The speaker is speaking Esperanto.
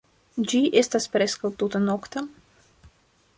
Ĝi estas preskaŭ tute nokta.